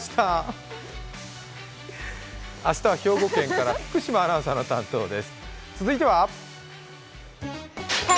明日は兵庫県から福島アナウンサーの担当です。